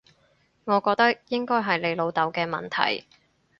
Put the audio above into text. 我覺得應該係你老豆嘅問題